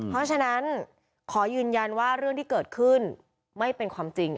เพราะฉะนั้นขอยืนยันว่าเรื่องที่เกิดขึ้นไม่เป็นความจริง